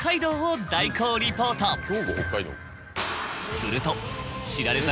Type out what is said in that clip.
すると。